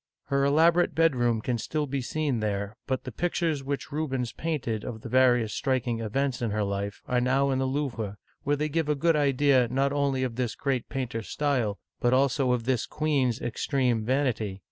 Her elaborate bedroom can still be seen there, but the pictures which Rubens painted of the various striking events in her life are now in the Louvre, where they give a good idea not only of this great painter's style, but also of this queen's extreme vanity.